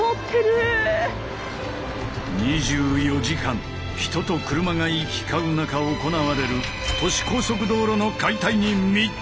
２４時間人と車が行き交う中行われる都市高速道路の解体に密着するのは。